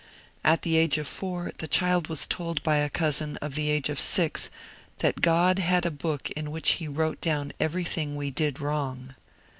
At the age of four the child was told by a cousin of the age of six that 'God had a book in which He wrote down everything we did wrong.